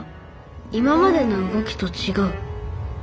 今までの「動き」と違う。